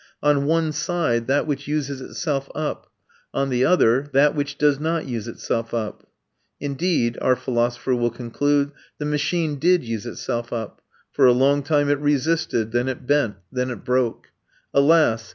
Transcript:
On one side, that which uses itself up; on the other, that which does not use itself up. Indeed, our philosopher will conclude, the machine did use itself up. For a long time it resisted; then it bent; then it broke. Alas!